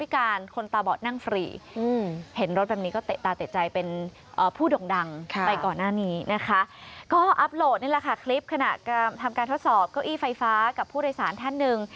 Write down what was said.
ก็อัพโหลดนี่แหละค่ะคลิปขณะทำการทดสอบเก้าอี้ไฟฟ้ากับผู้โดยสารท่านหนึ่ง